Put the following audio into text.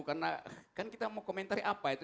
karena kan kita mau komentari apa itu